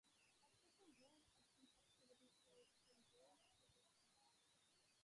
As people learned of these activities, there came growing opposition.